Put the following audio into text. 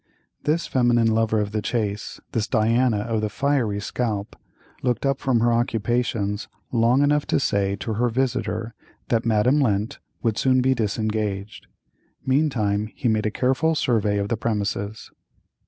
This feminine lover of the chase, this Diana of the fiery scalp, looked up from her occupations long enough to say to her visitor that Madame Lent would soon be disengaged. Meantime, he made a careful survey of the premises.